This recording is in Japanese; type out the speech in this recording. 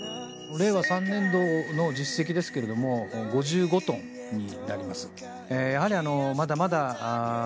令和３年度の実績ですけれども５５トンになります。